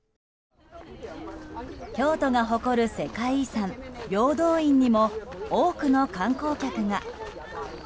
京都が誇る世界遺産・平等院にも多くの観光客が。